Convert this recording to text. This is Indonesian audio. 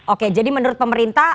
oke jadi menurut pemerintah